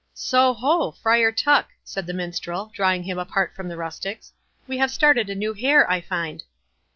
"So ho! Friar Tuck," said the Minstrel, drawing him apart from the rustics; "we have started a new hare, I find."